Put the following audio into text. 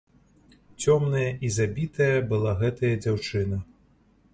Цёмная і забітая была гэтая дзяўчына.